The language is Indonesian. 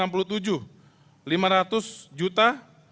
perunggu lima ratus juta